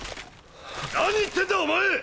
何言ってんだお前。